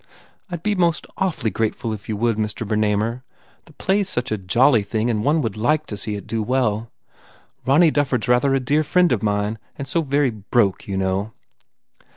"I d be most awf ly grateful if you would, Mr. Bernamer. The play s such a jolly thing and one would like to see it do well. Ronny Dufford s rather a dear friend and so very broke, you know?"